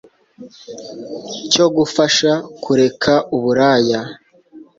cyo gufasha kureka uburaya